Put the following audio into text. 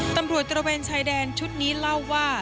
ตระเวนชายแดนชุดนี้เล่าว่า